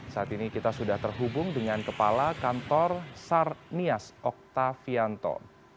saat ini kita sudah terhubung dengan kepala kantor sarnias oktavianto